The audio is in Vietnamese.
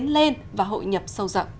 lên và hội nhập sâu rộng